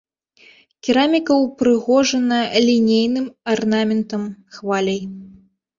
Кераміка ўпрыгожана лінейным арнаментам, хваляй.